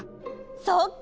そっか！